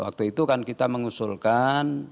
waktu itu kan kita mengusulkan